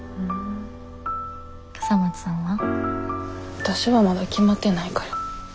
わたしはまだ決まってないから。